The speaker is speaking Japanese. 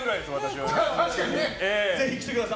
ぜひ来てください。